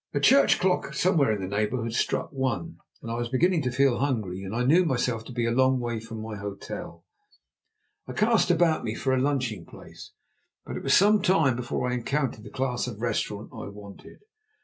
A church clock somewhere in the neighbourhood struck "One," and as I was beginning to feel hungry, and knew myself to be a long way from my hotel, I cast about me for a lunching place. But it was some time before I encountered the class of restaurant I wanted.